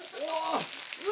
うわ！